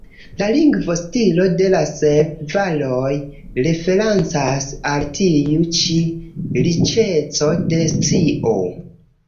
La lingvo-stilo de la "Sep Valoj" referencas al tiu ĉi riĉeco de scio.